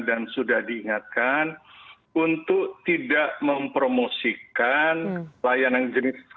dan sudah diingatkan untuk tidak mempromosikan layanan jenis